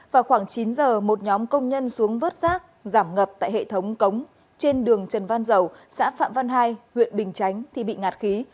vào khoảng chín giờ một nhóm công nhân xuống vớt rác giảm ngập tại hệ thống cống trên đường trần văn dầu xã phạm văn hai huyện bình chánh thì bị ngạt khí